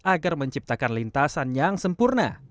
agar menciptakan lintasan yang sempurna